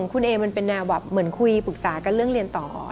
แค่นั้นแล้วคุยไป